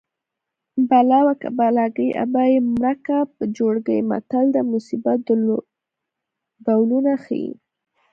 بلا وه که بلاګۍ ابا یې مړکه په چوړکۍ متل د مصیبت ډولونه ښيي